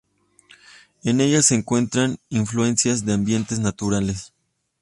En ella, se encuentran influencias de ambientes naturales.